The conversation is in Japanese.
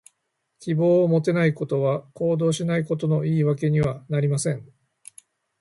希望を持てないことは、行動しないことの言い訳にはなりません。